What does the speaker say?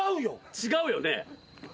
違うよね？